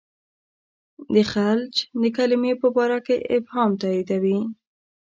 د خلج د کلمې په باره کې ابهام تاییدوي.